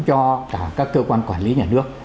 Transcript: cho cả các cơ quan quản lý nhà nước